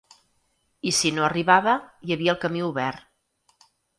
I si no arribava, hi havia el camí obert.